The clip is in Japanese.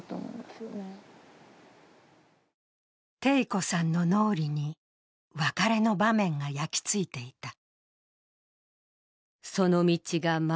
貞子さんの脳裏に別れの場面が焼きついていた。